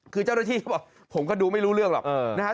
คือเจ้าหน้าที่เขาบอกผมก็ดูไม่รู้เรื่องหรอกนะครับ